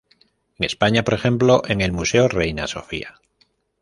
En España, por ejemplo, en el Museo Reina Sofía.